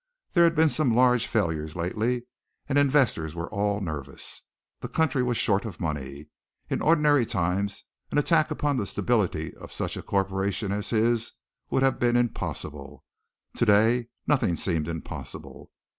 There had been some large failures lately, and investors were all nervous. The country was short of money. In ordinary times, an attack upon the stability of such a corporation as his would have been impossible. To day, nothing seemed impossible.